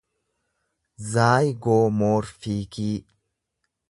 zaayigoomoorfiikii